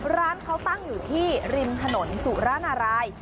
ร้านเขาตั้งอยู่ที่ริมถนนสุรนาราย